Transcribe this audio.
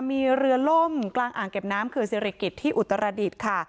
มีเรือล่มกลางอ่างเก็บน้ำเขื่อนศิริกิจที่อุตรดิษฐ์ค่ะ